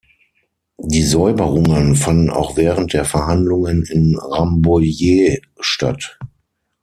Die Säuberungen fanden auch während der Verhandlungen in Rambouillet statt.